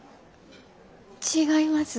違います。